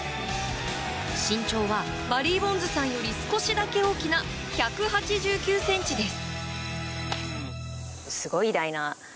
身長はバリー・ボンズさんより少しだけ大きな１８９ｃｍです。